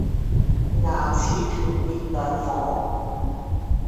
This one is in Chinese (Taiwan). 牙齒斷裂兩顆